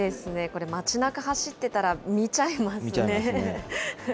これ、街なか走ってたら見ちゃい見ちゃいますね。